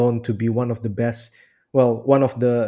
yang terkenal sebagai salah satu